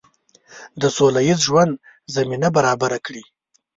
د سوله ییز ژوند زمینه برابره کړي.